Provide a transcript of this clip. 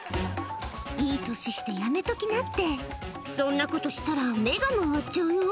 いい年してやめときなってそんなことしたら目が回っちゃうよ